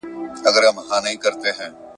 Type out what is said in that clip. مار له غاره ځالګۍ ته سو وروړاندي `